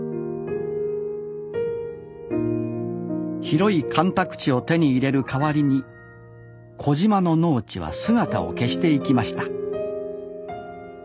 広い干拓地を手に入れる代わりに小島の農地は姿を消していきました